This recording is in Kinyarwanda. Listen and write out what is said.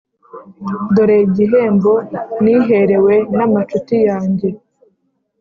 Dore igihembo niherewe n’amacuti yanjye»,